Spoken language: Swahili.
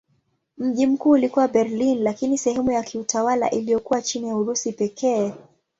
Mji mkuu ulikuwa Berlin lakini sehemu ya kiutawala iliyokuwa chini ya Urusi pekee.